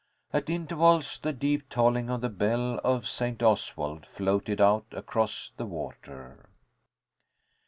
At intervals, the deep tolling of the bell of St. Oswald floated out across the water.